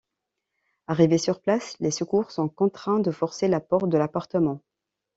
Arrivés sur place, les secours sont contraints de forcer la porte de l'appartement.